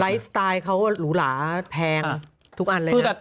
ไลฟ์สไตล์เขาหรูหราแพงทุกอันเลยนะ